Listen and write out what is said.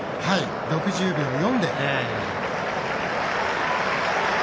６０秒４で。